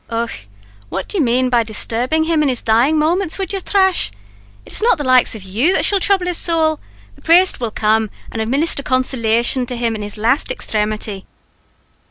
"Och! what do you mane by disturbing him in his dying moments wid yer thrash? It is not the likes o' you that shall throuble his sowl! The praste will come and administher consolation to him in his last exthremity."